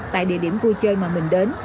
tại địa điểm vui chơi mà mình đến